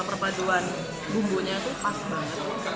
perpaduan bumbunya itu pas banget